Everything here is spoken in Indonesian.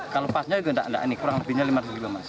kalau pasnya juga tidak kurang lebihnya lima ratus an kilo